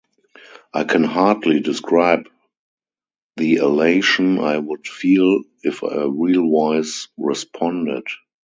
I can hardly describe the elation I would feel if a real voice responded.